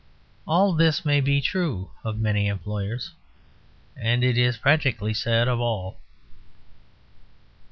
All this may be true of many employers, and it is practically said of all.